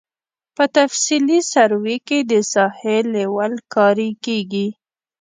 په تفصیلي سروې کې د ساحې لیول کاري کیږي